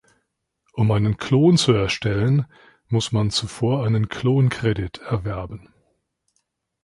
Um einen Klon zu erstellen, muss man zuvor einen Klon-Credit erwerben.